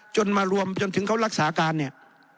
มารวมจนถึงเขารักษาการเนี่ย